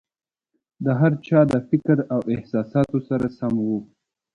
د هر چا د فکر او احساساتو سره سم وو.